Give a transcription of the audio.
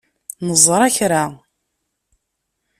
Neẓra kra.